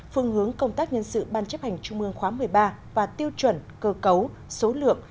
phương hướng công tác nhân sự ban chấp hành trung mương khóa một mươi ba và tiêu chuẩn cơ cấu số lượng